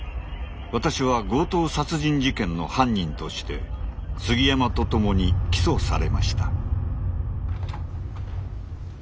私は強盗殺人事件の犯人として杉山と共に起訴されました。